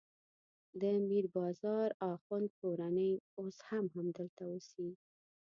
د میر بازار اخوند کورنۍ اوس هم همدلته اوسي.